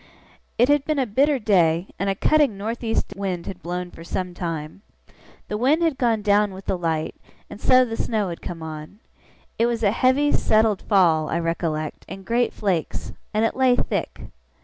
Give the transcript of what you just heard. It had been a bitter day, and a cutting north east wind had blown for some time. The wind had gone down with the light, and so the snow had come on. It was a heavy, settled fall, I recollect, in great flakes; and it lay thick.